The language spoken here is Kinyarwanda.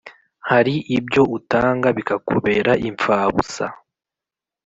Hari ibyo utanga bikakubera imfabusa,